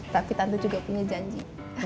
tapi tante juga punya janji